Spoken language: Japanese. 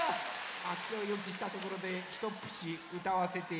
きをよくしたところでひとっぷしうたわせていただきやす。